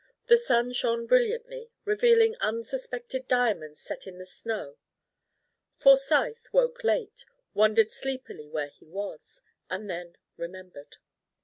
The sun shone brilliantly, revealing unsuspected diamonds set in the snow. Forsyth woke late, wondered sleepily where he was, and then remembered.